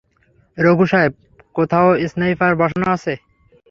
রঘু সাহেব, কোথাও স্নাইপার বসানো আছে।